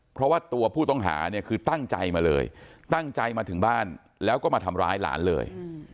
เพราะว่าตัวผู้ต้องหาเนี่ยคือตั้งใจมาเลยตั้งใจมาถึงบ้านแล้วก็มาทำร้ายหลานเลย